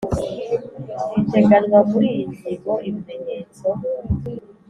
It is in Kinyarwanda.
biteganywa muri iyi ngingo ibimenyetso